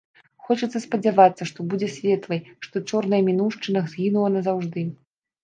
Хочацца спадзявацца, што будзе светлай, што чорная мінуўшчына згінула назаўжды.